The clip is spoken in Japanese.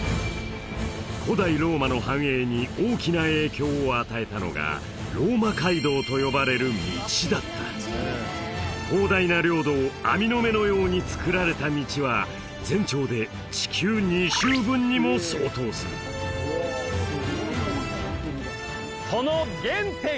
古代ローマの繁栄に大きな影響を与えたのがローマ街道と呼ばれる道だった広大な領土を網の目のようにつくられた道は全長で地球２周分にも相当するがあります